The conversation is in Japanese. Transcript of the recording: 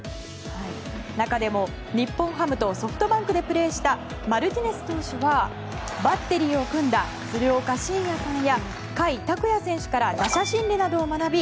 中でも、日本ハムとソフトバンクでプレーしたマルティネス投手はバッテリーを組んだ鶴岡慎也さんや甲斐拓也選手から打者心理などを学び